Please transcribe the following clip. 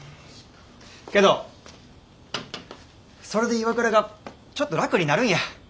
けどそれで岩倉がちょっと楽になるんや。